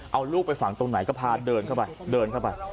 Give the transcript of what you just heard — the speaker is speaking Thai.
เอาลูกไปฝังตรงไหนก็พาเดินเข้าไปเดินเข้าไป